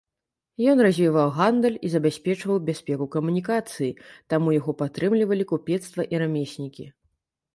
Ён развіваў гандаль і забяспечваў бяспеку камунікацый, таму яго падтрымлівалі купецтва і рамеснікі.